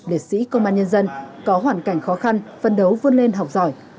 liệt sĩ công an nhân dân có hoàn cảnh khó khăn phân đấu vươn lên học giỏi